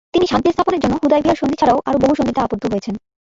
তিনি শান্তি স্থাপনের জন্য হুদাইবিয়ার সন্ধি ছাড়াও আরও বহু সন্ধিতে আবদ্ধ হয়েছেন।